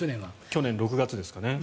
去年６月ですかね。